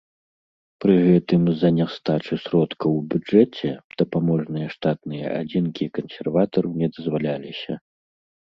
Пры гэтым, з-за нястачы сродкаў у бюджэце, дапаможныя штатныя адзінкі кансерватару не дазваляліся.